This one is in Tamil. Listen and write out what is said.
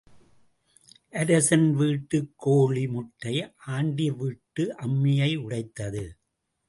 அரசன் வீட்டுக் கோழி முட்டை ஆண்டி வீட்டு அம்மியை உடைத்தது.